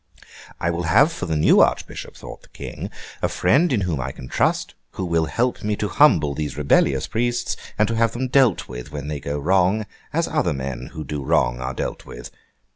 'I will have for the new Archbishop,' thought the King, 'a friend in whom I can trust, who will help me to humble these rebellious priests, and to have them dealt with, when they do wrong, as other men who do wrong are dealt with.